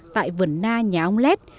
tại vườn na nhà ông lét